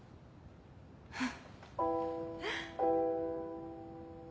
フッ。